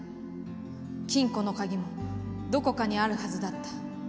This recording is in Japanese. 金庫の鍵もどこかにあるはずだった。